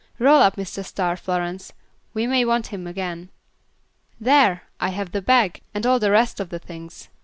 Roll up Mr. Star, Florence, we may want him again. There! I have the bag and all the rest of the things.